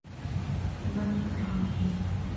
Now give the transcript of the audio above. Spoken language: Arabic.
لماذا تكرهيني؟